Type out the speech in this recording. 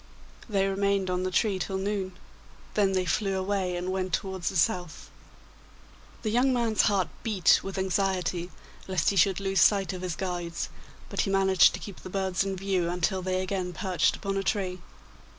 They remained on the tree till noon; then they flew away and went towards the south. The young man's heart beat with anxiety lest he should lose sight of his guides, but he managed to keep the birds in view until they again perched upon a tree.